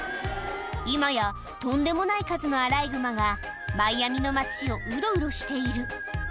今や、とんでもない数のアライグマが、マイアミの街をうろうろしている。